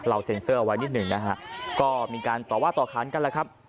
เซ็นเซอร์เอาไว้นิดหนึ่งนะฮะก็มีการต่อว่าต่อค้านกันแล้วครับ